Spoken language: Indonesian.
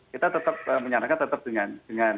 kita tetap menyarankan tetap dengan